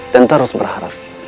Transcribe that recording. dan terus berharap